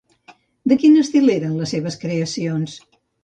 De quin estil eren les seves creacions?